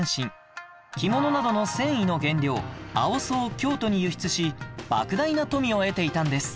着物などの繊維の原料青苧を京都に輸出し莫大な富を得ていたんです